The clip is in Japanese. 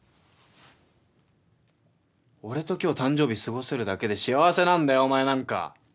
俺と今日誕生日過ごせるだけで幸せなんだよお前なんか。